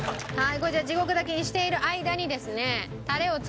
これじゃあ地獄炊きにしている間にですね。